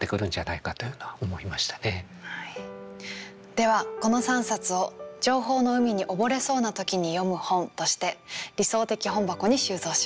ではこの３冊を「情報の海に溺れそうな時に読む本」として理想的本箱に収蔵します。